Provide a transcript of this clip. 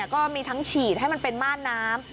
ก็มีทั้งฉีดให้มันเป็นม่านน้ำ